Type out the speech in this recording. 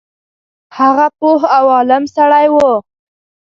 هغه پوه او عالم سړی وو.